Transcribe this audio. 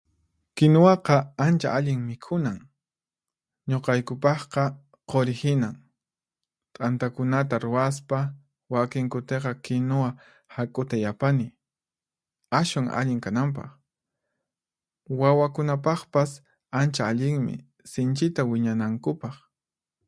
Kinuwaqa ancha allin mikhunan, ñuqaykupaqqa quri hinan. T'antakunata ruwaspa, wakin kutiqa kinuwa hak'uta yapani, ashwan allin kananpaq. Wawakunapaqpas ancha allinmi, sinchita wiñanankupaq.